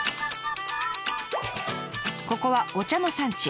ここはお茶の産地。